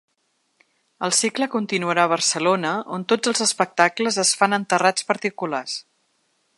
El cicle continuarà a Barcelona, on tots els espectacles es fan en terrats particulars.